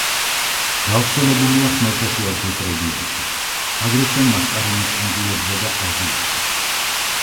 გავრცელებულია ხმელთაშუა ზღვის რაიონში, აგრეთვე მასკარენის კუნძულებზე და აზიაში.